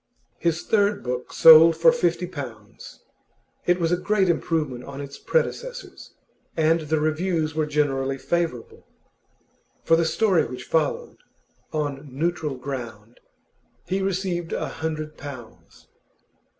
His third book sold for fifty pounds. It was a great improvement on its predecessors, and the reviews were generally favourable. For the story which followed, 'On Neutral Ground,' he received a hundred pounds.